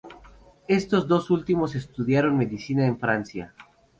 Estos dos últimos estudiaron medicina en Francia.